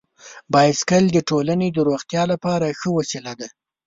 بایسکل د ټولنې د روغتیا لپاره ښه وسیله ده.